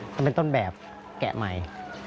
มันเป็นต้นแบบแกะใหม่